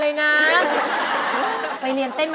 ก็คิดถึงคำที่พ่อแม่เที่ยวบอกไว้